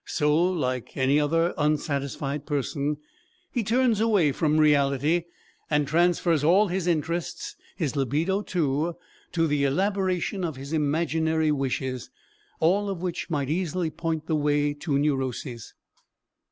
So like any other unsatisfied person, he turns away from reality, and transfers all his interests, his libido, too, to the elaboration of his imaginary wishes, all of which might easily point the way to neurosis.